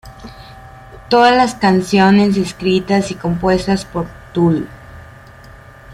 Todas las canciones escritas y compuestas por Tool.